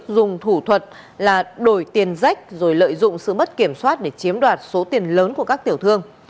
dùng thủ thuật là đổi tiền rách rồi lợi dụng sự mất kiểm soát để chiếm đoạt số tiền lớn của các tiểu thương